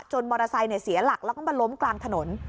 มอเตอร์ไซค์เสียหลักแล้วก็มาล้มกลางถนน